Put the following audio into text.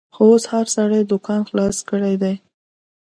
خو اوس هر سړي دوکان خلاص کړیدی